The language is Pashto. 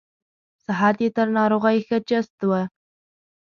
صحت یې تر ناروغۍ ښه چست و.